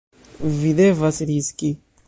Vi devas riski.